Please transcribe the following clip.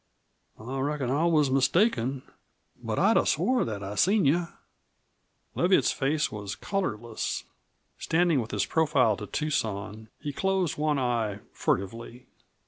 I reckon I was mistaken, but I'd have swore that I'd seen you." Leviatt's face was colorless. Standing with his profile to Tucson, he closed one eye furtively.